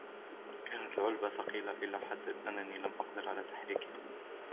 كانت العلبة ثقيلة إلى حد أنني لم أقدر على تحريكها.